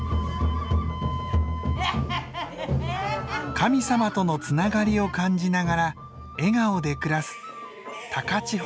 神様とのつながりを感じながら笑顔で暮らす高千穂の夜神楽です。